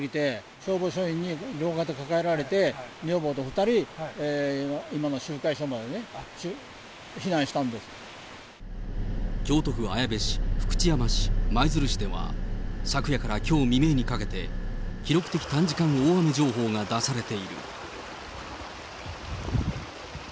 消防署員に両肩抱えられて、女房と２人、今の集会所までね、避難京都府綾部市、福知山市、舞鶴市では昨夜からきょう未明にかけて、記録的短時間大雨情報が出されている。